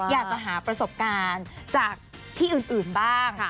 อยากจะหาประสบการณ์จากที่อื่นบ้าง